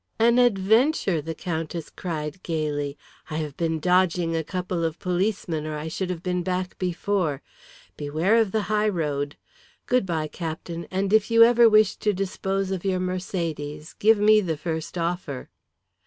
"An adventure!" the Countess cried gaily. "I have been dodging a couple of policemen, or I should have been back before. Beware of the high road. Goodbye, Captain, and if ever you wish to dispose of your Mercedes, give me the first offer."